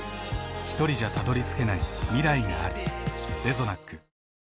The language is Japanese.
ひとりじゃたどりつけない未来がある。